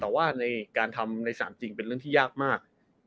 แต่ว่าในการทำในสนามจริงเป็นเรื่องที่ยากมาก